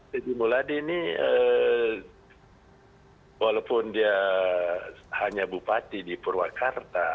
dedi mulyadi ini walaupun dia hanya bupati di purwakarta